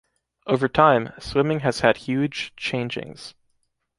Over time swimming has had huge changings.